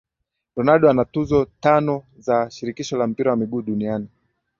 Ronaldo ana tuzo tano za shirikisho la mpira wa miguu Duniani